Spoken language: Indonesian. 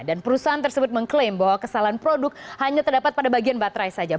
dan perusahaan tersebut mengklaim bahwa kesalahan produk hanya terdapat pada bagian baterai saja